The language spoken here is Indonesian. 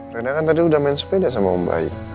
rena kan tadi udah main sepeda sama om baik